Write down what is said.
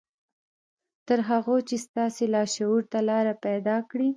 تر هغو چې ستاسې لاشعور ته لاره پيدا کړي.